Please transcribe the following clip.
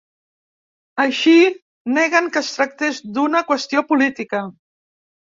Així, neguen que es tractés d’una qüestió política.